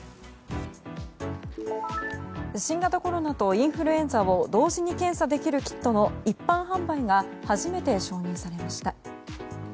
新型コロナとインフルエンザを同時に検査できるキットの一般販売が初めて承認されました。